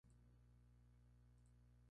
En Canadá apareció en el quinto lugar.